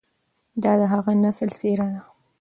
دا د هغه نسل څېره ده،